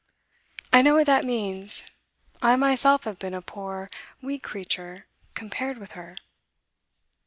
I know what that means; I myself have been a poor, weak creature, compared with her.